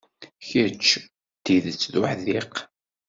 Kečč d tidet d uḥdiq.